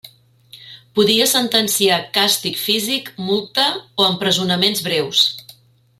Podia sentenciar càstig físic, multa o empresonaments breus.